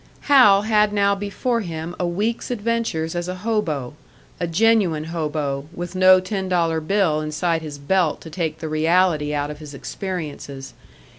Hal had now before him a week's adventures as a hobo: a genuine hobo, with no ten dollar bill inside his belt to take the reality out of his experiences.